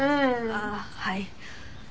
ああはい。